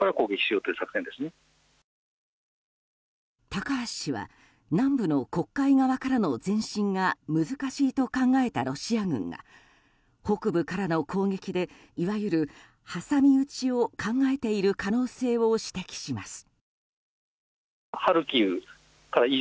高橋氏は南部の黒海側からの前進が難しいと考えたロシア軍が北部からの攻撃でいわゆる挟み撃ちを考えている可能性を指摘します。